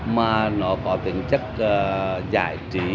mà nó có tính chất giải trí